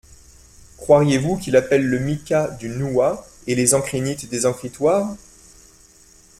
Croiriez-vous qu’il appelle le mica du nouhat et les encrinites des encritoires ?